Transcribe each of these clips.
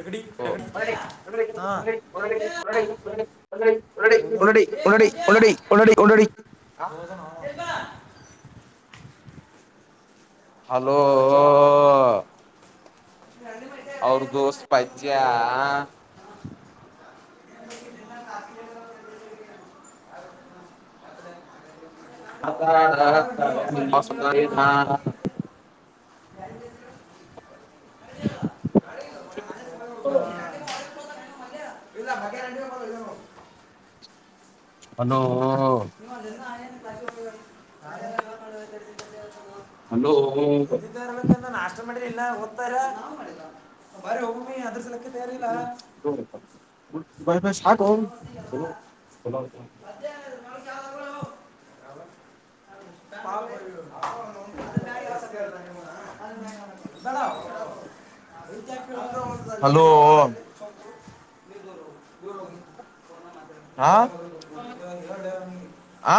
ನೆಗಡಿ ನೆಗಡಿ ಹಾ ಉನ್ನಡಿ ಹೋದನು ಉನ್ನಡಿ ಉನ್ನಡಿ ಉನ್ನಡಿ ಒನ್ನಡಿ ಒನ್ನಡಿ ಇ ಹಲೋ ನಳ ಅವ್ರ ದೋಸ್ ಪಜ್ಯಾ ಅದಾ ಯಾರು ನೀ ಅಪ್ಪ ನಿಮ್ಮ ಸಂದದ ಎ ಇಲ್ಲ ಹಾಗೆ ರ ಹಲೋ ನೀ ಮದ ನಳೆ ಹಲೋ ಮಾಡಲಿಲ್ಲ ಒದತ್ತಾರ ನಾ ಮಾಡಿಲ್ಲ ಬ ಹೋಗಮಿ ಅದ್ರಲ ಸಾ ಮಾಡಿಲ್ಲ ನಿ ಹಲೋ ನೀ ದೂ ದೂರೋ ಹಾ ಆ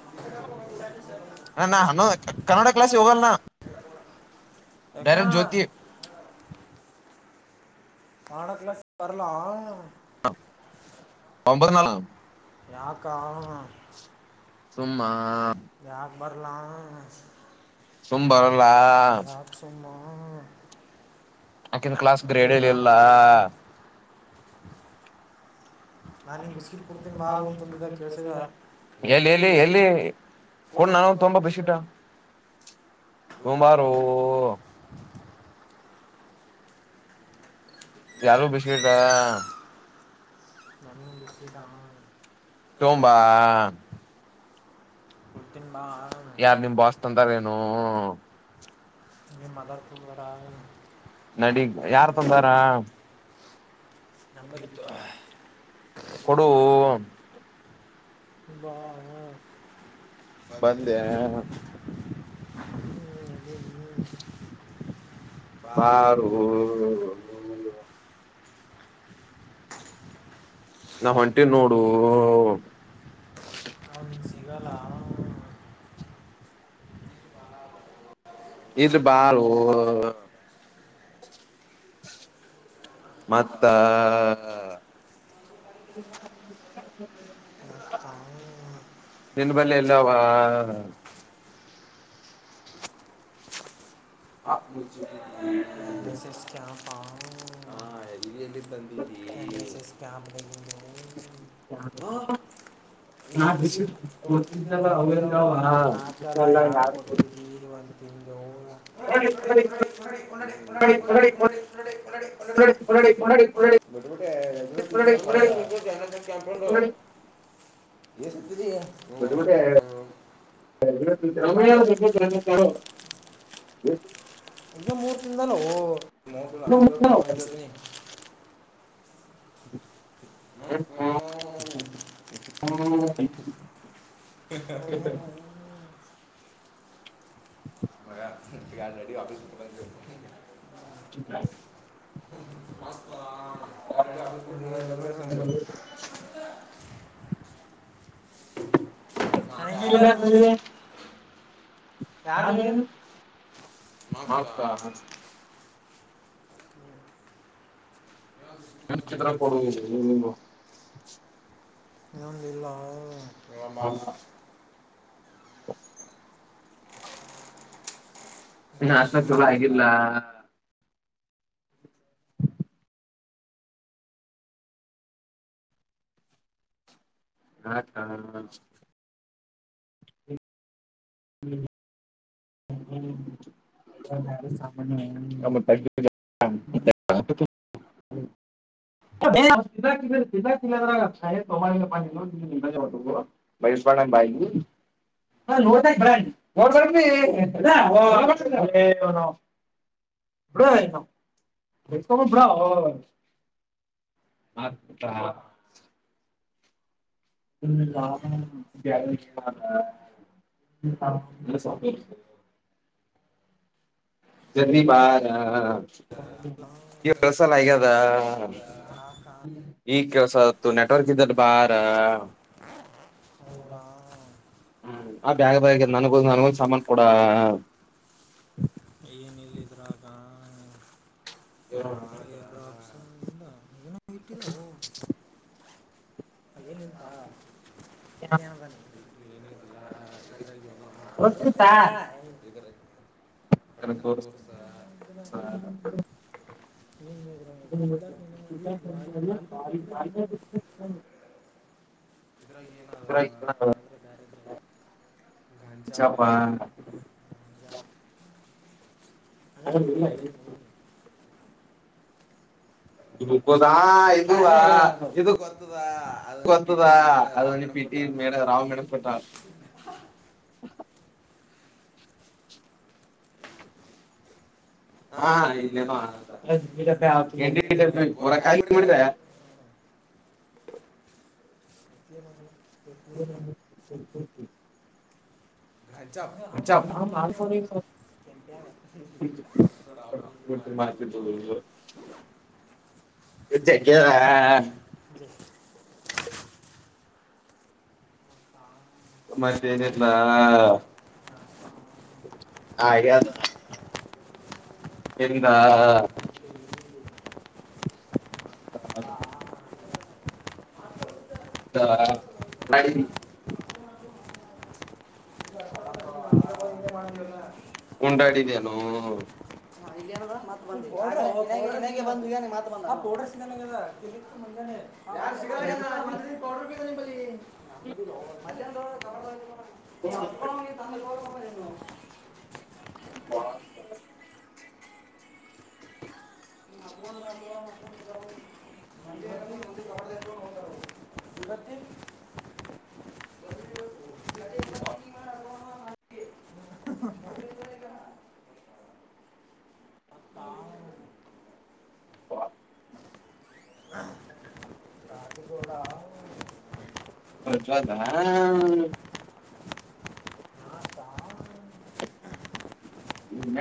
ಇ ಸ ನ ನಾ ಹಾನ ಕನ್ನಡ ಕ್ಲಾಸ್ ಹೋಗಲ್ನಾ ಆಗಾ ಹಣಕ್ಲ್ಲ ಬರಲಾ ಒಂಬತ್ ನಾಳ ಯಾಕ ಸುಮ್ಮ ಬರ್ಲಾ ಸೋಮಂಬಾರ ಲ ಯಾಕನ್ ಕ್ಲಾಸ್ ಅದೇ ಗ್ರೇಡ್ ಯಾಕ ಇಲ್ಲಿಲ್ಲ ಬರ್ಲ ನಾನು ಹಿಂಗೆ ಬಿಸ್ಕಿಟ್ ಕೊಡ್ತೀನಿ ಬಾರು ಅಂತಂದಿದ್ದ ಕೇಳಿಸಿದ ಎಲ್ಲಿ ಎಲ್ಲಿ ಎಲ್ಲಿ ಕೊಡ್ ಕೊೊಂಡ ನಾನು ತುಂಬ ತುಂಬಾ ಖುಷಿ ಬಿಸಿಿಟ ಬಾರು ತುಂಬಾರು ಯಾರು ಬಿಸ್ಬೇಕ ನನ ಎಷ್ಟು ದಾಮ ತೋಂಬಾ ಹಡ್ತ ಯಾರ್ ನಿಮ್ ಬಸ್ತಂದಾರ ಏನು ನಿ ಮದರ್ಪುಲ್ಡ ನಡಿಗ್ ಯಾರ್ು ತಂದಾರ ನಮ್ಮ ಎತ ಹ ಕೊಡು ವಾ ಹಾ ಬಂದ ಬಂದೆ ಹ ಬಾರ ನಾವ್ ಹೊಂಟಿ ನೋಡು ಹ್ಮ ಇಗಲ್ಲ ಇದು ಬಾಾರ ಮತ್ತ ಮತ್ತ ನಿನ್ ನಿಿನಬಲ್ಲ ಬಲ್ಲಿ ಎಲ್ಲ ಎಲ್ಲವ ಹ ಆ ನಿ ಮುಚ್ಚಿಟ್ಟಿದ್ದೀನಿ ಎಸ್ ಎಸ್ ಕ್ಯಾಂಪ್ ಆ ಇಲ್ಲಿ ಎಲ್ಲಿ ಹ ತಂದಿದ್ದೀ ಎಸ್ ಎಸ್ ಕ್ಯಾಂಪ್ದಾಗಿಂದು ಹ ನಾಕು ಬಿಸ್ಟ್ ಕೊಡ್ತಿದನಲ್ಲ ಅವೇ ಅವ ಅವಂಗವ ನಾಕಲ್ಲ ಅದಲ್ಲ ಯಾಡು ಯಾರು ಕೊಡಿ ಕೊಟ್ಟಿದಿದ್ದೀ ಒಂದು ತಿ ಜ ಕೊಡಿ ಕೊಡಿ ಕೊಡಿ ಡಿಡಿಡಿಡಿಡಿ ಕೊಡಿ ಕೊಡಿ ಕೊಡಿ ಕೊಡಿ ಕೊಡಿ ಕೊಡಿ ಕೊಡಿ ಎ ಸ ಇದಯ ಹ್ಮ ಹ್ಮ ರ ಈಗ ಮೂರು ತಿದಾನ ಮೋ ಆಾಶೀರ ಕಾರೆ ಅಂತ ತಿನಿ ಎ ಹ ಹ ಮ ರೆಡಿ ಫಿಸ್ ಸಂ ಅನಂಗಿ ಇಲ್ಲರ್ ತಂದರೆ ನಾನನುತ ನಿ ಚತ್ರ ಕೊಡ ನಿ ನನು ಲೀಲಾ ನಮ್ಮ ಶಾ ತುಳ ಆಗಿಲ್ಲ ಹಾ ಹಾ ಹ್ಮ ಬಯಸ್ಬಾರ್ದಂಗ್ ಬಾಯಿ ನೋಡ್ದಾಗ ಬಿಡಂಗ್ ನೋಡ್ಬೇಡ್ರಿ ಇಲ್ಲ, ಓ, ಏ, ಅವ್ನು, ಬಿಡು ಇವ್ನು. ಹ ಲ್ಲಭ ಜಿ ಬಾರ ಹೊಸ ಲಗ ಈ ಕೆಸ ಆತತ್ತು ನೆಟ್ವರ್ಕ್ ಇದಲ್ಲಿ ಬಾರ ಅವ್ರ ಬ ಬ ನಗ ನಗ ಸಾಮನ್ ಕೂಡ ಹ್ಮ ನಲ್ಲಿಿದರಕ ಹ್ಮ ಟ್ಟ ಅನುಂತ ಇದ್ರಾಗ ಏನು ಗೊತ್ತಿತ್ತಾ? ನನಗ್ ಪಟ್ಟತನ ತೋರ್ಸ್. ತೋರ್ಸ ನೀನು ಕಿದ್ದಾಕ ನಿನ್ನ ಲಾಲ್ ಲಾಲ್ಬಾಗ್ ಬಿಟ್ಟಿದ್ದ ನಿನ್ನ ಇದ್ರಾಗ ಏನ್ರೆ ಬಾರಿ ಗಘಂಜಾಪಂಜ ಚಪ ಹ ಇಲ್ಲ ಗ್ಲೂಕೋಸ್ ದಾ ಆ ಇದು ಆ, ಇದು ಅದು ಪಿ ಕೊತ್ತದಾ ಟಿ ಮೇಡ ರಾವ್ ಅದನ್ನಿ ಮೇಡಮ್ ಕೊಟ್ಟ ಪೀಟಿ ಮೇಡ ರಾಮ ಮೇಡಪಟ್ಟಾ ಹಾ ಇಲ್ಲೇನೋ ಅದ ಇರ ಕ ಹಿಂಡಿ ಡಬ್ಬಿ ಪೂರ ಖಾಲಿ ಮಾಡ್ರೆ ಮಾಡಿದ ಇ ಮಾಡ ಸ ಮ ಮತ್ತೆ ಏನ ಹಾಗ ಎಂದ ಅ ಮಾಡ ಉಂಡಾಡಿದೇನುೋ ಬಗೆ ಬ ನ ಈ ಹತ್ತುಕಳಗೆ ತ ಹ ನ ಹ ಹ ಪ್ರಚವಲ್ಲ ನಾಥ, ನ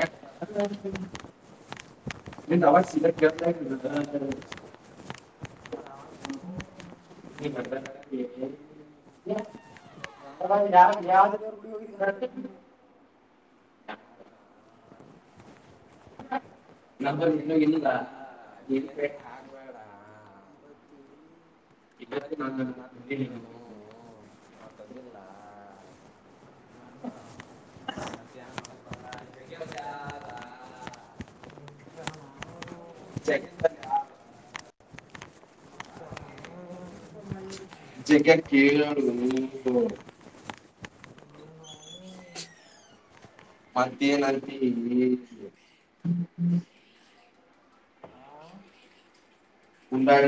ನೀ ನವಾಜ ಸಗ ಕೆ ರಾಮ. ಅವ ಯ ಯಾವ್ದ ಯವರು ಗುಡಿ ಹೋಗಿದೆ ಅಂತ ಹಡ್ಕೊಂಡಿ ನಮ್ಮ ಏನೂ ಇಲ್ಲ ನೀ ಏನ್ ಕೈ ಹಾಕಬೇಡ ತಿ ನಾನುನ್ನ ತಂದೀನೇನು ಮಾತಾಡ್ದಿಲ್ಲ ಮಧ್ಯಾಹ್ನ ಬರ್ತದ, ಬೆಳಗ್ಗೆ ಆದ್ಮೇಲೆ ಆದ. ಜಗೇಂದ ಹಾಗ ಜಗ ಕೇಳ ಮತ್ತ ಏನತಿ ರಾಮ. ಉಟಾಗ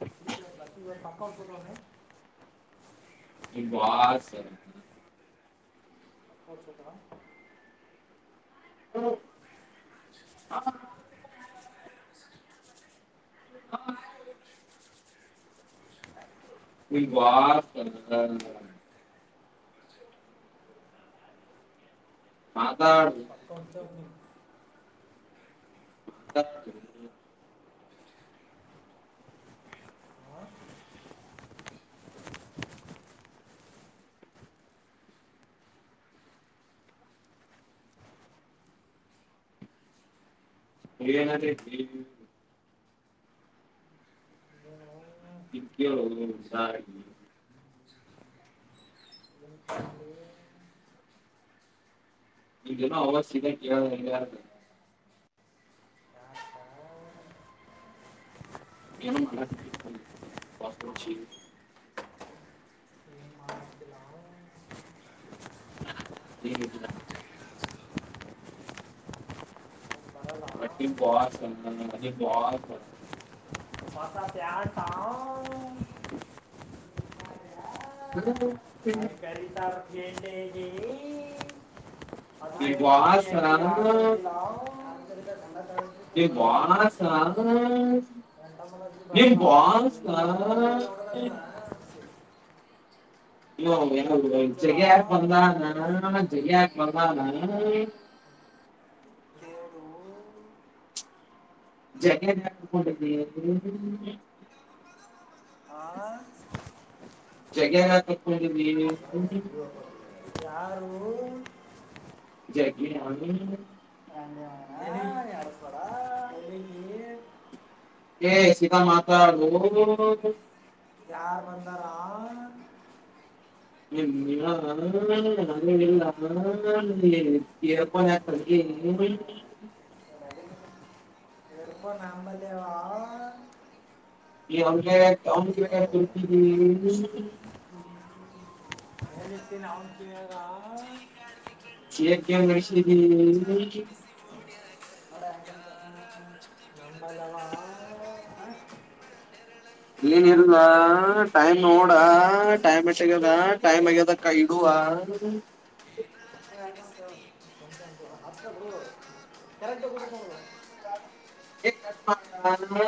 ಹ ಕ ಬಕ ತಲಣೆ ಈ ಬ ಸರಿ ಹಸತ ಹ್ಮ ಹ ಹಾ ಇ ವಾಸ ಎಲ್ಲ ಮಾತಾ ಪತ್ತು ಮಾತಾಡು ಹನ್ರ ಇ ಇಲ್ಲ ಅವಶ್ಯ ಕೇಳ ಯ ಕ ಏನು ಮಾಡ್ತಿಲ್ಲ ಹ್ಮ ಬರಲ್ಲ ಬಟ್ಟಿ ಬಾ ಬ ಮಾತ್ತ ಸ ಹತಾ ಹಾಂ ಹಲ್ಲ ಹಾಗ ಕ್ಯರಿಟರ್ ಜಡಿ ಅದ ಆ ಲಂಡ ಕ ಬ ಕ ಬಳ ಯ ವೆರಿಕಲ್ಚರಾ ಜಗ್ಯಾಕ ಬಂದಾನ ಜಗಯಕ್ ಬಂದಾನ ನೋಡು ಜನ ಆ ಜಗ ತಕಿ ಯಾರು ಜಲಿ ಎಲ್ಲಿಗೆ ಏ ಸೀತ ಮಾತಾ ಯಾರು ಬಂದಾರಾ ನಿಾ ನಲ್ಲ ತರುಪ ನಮ್ಮದೇವಾ ಈ ಅ ಅತ ಇತ್ತನ್ ಹಾಂಟನಿಯರ ಶದ ಷ ಎಂಬ ಜಲ್ಲ ಏನ ಇಲ್ವಾ ಟೈಮ್ ನೋಡ ಟೈಮ್ ಎಷ್ಟ ಆಗ್ಯದ ಟೈಮ್ ಆಗ್ಯದಕ್ಕ ಇಡುವ ಗರಂತ ಕುಡತಿ ಎ ಮಾಡ